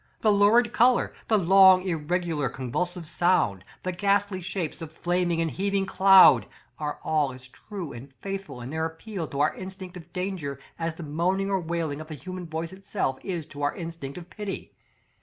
The lurid color, the long, irregular, convulsive sound, the ghastly shapes of flaming and heaving cloud, are all as true and faithful in their appeal to our instinct of danger, as the moaning or wailing of the human voice itself is to our instinct of pity.